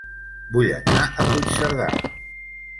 Vull anar a Puigcerdà